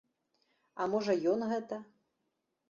А можа ён гэта.